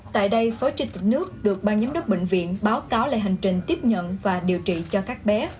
tại đây phó chủ tịch nước được ban giám đốc bệnh viện báo cáo lại hành trình tiếp nhận và điều trị cho các bé